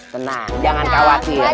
tenang jangan khawatir